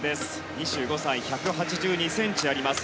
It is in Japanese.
２５歳、１８２ｃｍあります。